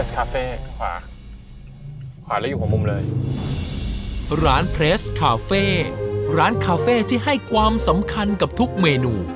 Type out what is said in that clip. คาเฟ่อ่าแล้วอยู่หัวมุมเลยร้านเพลสคาเฟ่ร้านคาเฟ่ที่ให้ความสำคัญกับทุกเมนู